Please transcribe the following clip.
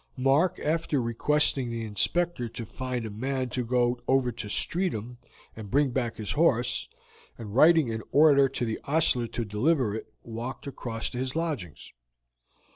Mark, after requesting the Inspector to find a man to go over to Streatham and bring back his horse, and writing an order to the ostler to deliver it, walked across to his lodgings.